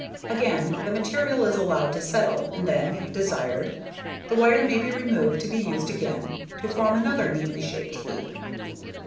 Again, the material is allowed to settle and then, if desired, the wire may be removed to be used again to form another neatly shaped heap.